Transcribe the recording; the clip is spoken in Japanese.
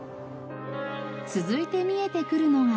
続いて見えてくるのが。